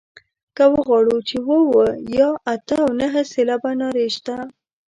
که وغواړو چې اووه اووه یا اته او نهه سېلابه نارې شته.